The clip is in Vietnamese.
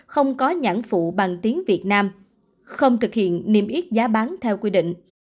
không có nhãn phụ bằng tiếng việt nam không thực hiện niêm yết giá bán theo quy định